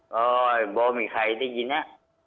อ่อไม่มีใครได้ยินนะ